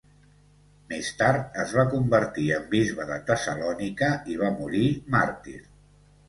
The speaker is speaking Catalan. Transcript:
Més tard es va convertir en bisbe de Tessalònica i va morir màrtir.